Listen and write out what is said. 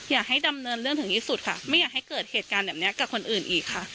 อยากให้ดำเนินเรื่องถึงที่สุดค่ะไม่อยากให้เกิดเหตุการณ์แบบนี้กับคนอื่นอีกค่ะ